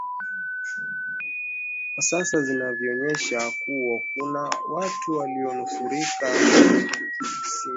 kwa sasa zinavyonyesha kuwa kuna watu walionusurika liz masinga anakujuza